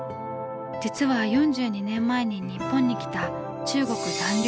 実は４２年前に日本に来た中国残留邦人。